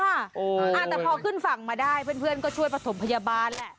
แต่พอขึ้นฝั่งมาได้เพื่อนก็ช่วยประถมพยาบาลแหละ